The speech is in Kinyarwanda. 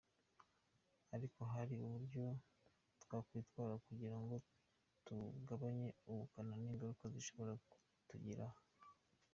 Ariko hari uburyo twakwitwara kugira ngo tugabanye ubukana n’ingaruka bishobora kutugiraho.